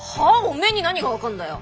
おめえに何が分かんだよ！